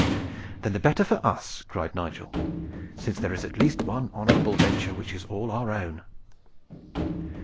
"Then the better for us," cried Nigel, "since there is at least one honorable venture which is all our own."